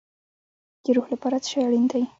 د روح لپاره څه شی اړین دی؟